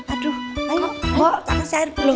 aduh ayo bawa tangan air putih